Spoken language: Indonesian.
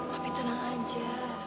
papi tenang aja